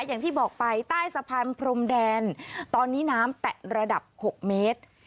อย่างที่บอกไปใต้สะพานพรมแดนตอนนี้น้ำแตะระดับ๖เมตร